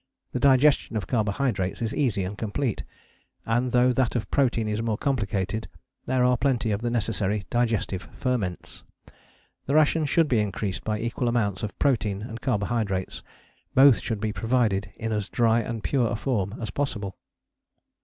The digestion of carbohydrates is easy and complete, and though that of protein is more complicated there are plenty of the necessary digestive ferments. The ration should be increased by equal amounts of protein and carbohydrates; both should be provided in as dry and pure a form as possible.